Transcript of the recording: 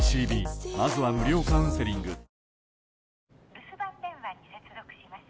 留守番電話に接続します。